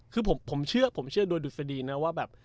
คือผมเชื่อด้วยดุสดีนะว่าแบบ